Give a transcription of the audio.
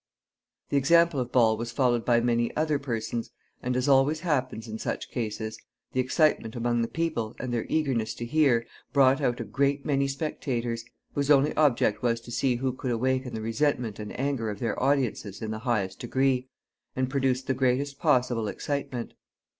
The example of Ball was followed by many other persons; and, as always happens in such cases, the excitement among the people, and their eagerness to hear, brought out a great many spectators, whose only object was to see who could awaken the resentment and anger of their audiences in the highest degree, and produce the greatest possible excitement.